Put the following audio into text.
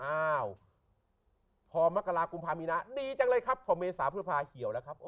อ้าวพอมกรากุมภามีนาดีจังเลยครับพอเมษาพฤษภาเหี่ยวแล้วครับ